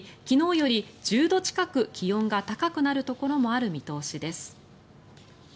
昨日より１０度近く気温が高くなるところもある見通しです。